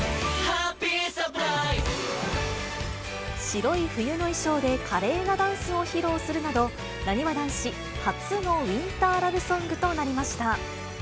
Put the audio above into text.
白い冬の衣装で華麗なダンスを披露するなど、なにわ男子初のウインターラブソングとなりました。